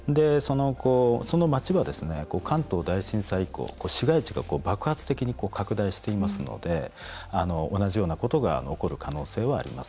その街は関東大震災以降市街地が爆発的に拡大していますので同じようなことが起こる可能性はあります。